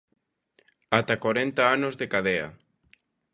Ata corenta anos de cadea.